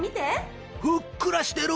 ふっくらしてる！